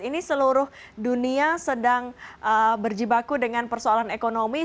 ini seluruh dunia sedang berjibaku dengan persoalan ekonomi